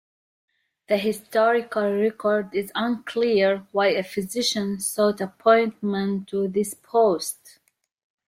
The historical record is unclear why a physician sought appointment to this post.